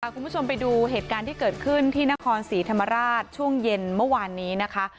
คุณผู้ชมไปดูเหตุการณ์ที่เกิดขึ้นที่นครศรีธรรมราชช่วงเย็นเมื่อวานนี้นะคะ